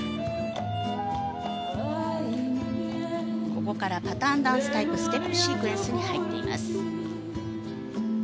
ここから、パターンダンスタイプステップシークエンスに入っています。